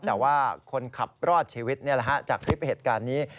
แต่ว่าคนขับรอดชีวิตจากคลิปเหตุการณ์นี้